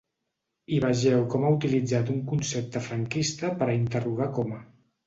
I vegeu com ha utilitzat un concepte franquista per a interrogar Coma.